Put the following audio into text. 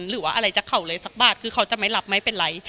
หรือว่าอะไรจากเขาเลยสักบาทคือเขาจะไม่รับไม่เป็นไร